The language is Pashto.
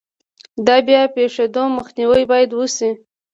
د بیا پیښیدو مخنیوی باید وشي.